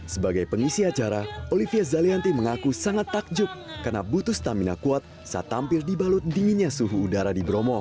sebagai pengisi acara olivia zalianti mengaku sangat takjub karena butuh stamina kuat saat tampil dibalut dinginnya suhu udara di bromo